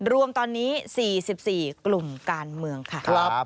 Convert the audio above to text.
รวมตอนนี้๔๔กลุ่มการเมืองค่ะ